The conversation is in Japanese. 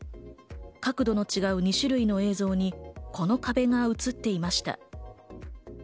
角度の違う２種類の映像に、この壁が映っていました。